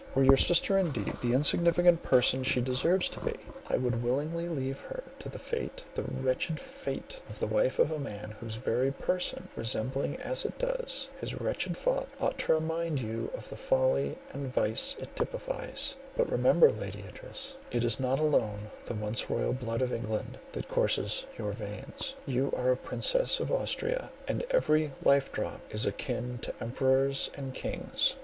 Were your sister indeed the insignificant person she deserves to be, I would willingly leave her to the fate, the wretched fate, of the wife of a man, whose very person, resembling as it does his wretched father, ought to remind you of the folly and vice it typifies—but remember, Lady Idris, it is not alone the once royal blood of England that colours your veins, you are a Princess of Austria, and every life drop is akin to emperors and kings.